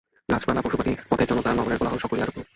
গাছপালা, পশুপক্ষী, পথের জনতা, নগরের কোলাহল, সকলই আজ অপরূপ।